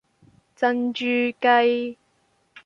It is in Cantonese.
珍珠雞